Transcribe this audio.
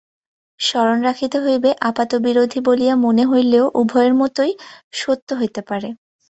স্মরণ রাখিতে হইবে, আপাতবিরোধী বলিয়া মনে হইলেও উভয়ের মতই সত্য হইতে পারে।